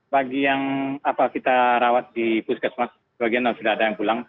bagi yang kita rawat di puskesmas sebagian sudah ada yang pulang